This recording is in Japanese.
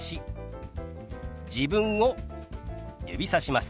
自分を指さします。